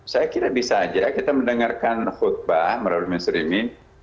saya kira bisa aja kita mendengarkan khutbah melalui mainstreaming